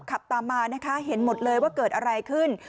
ขับตามมานะคะเห็นหมดเลยว่าเกิดอะไรขึ้น